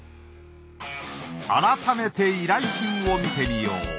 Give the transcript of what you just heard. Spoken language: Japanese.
改めて依頼品を見てみよう。